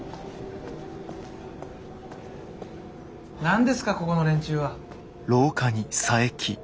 何ですかここの連中は。